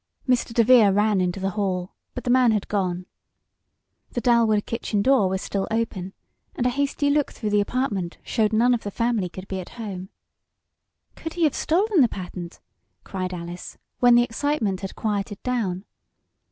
Mr. DeVere ran into the hall, but the man had gone. The Dalwood kitchen door was still open, and a hasty look through the apartment showed none of the family could be at home. "Could he have stolen the patent?" cried Alice, when the excitement had quieted down.